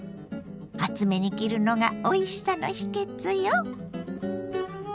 厚めに切るのがおいしさの秘けつよ。